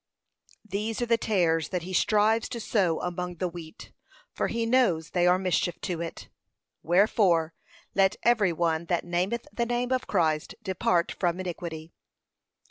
These are the tares that he strives to sow among the wheat, for he knows they are mischief to it. 'Wherefore, let every one that nameth the name of Christ depart from iniquity.'